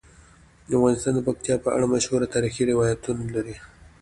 افغانستان د پکتیا په اړه مشهور تاریخی روایتونه لري.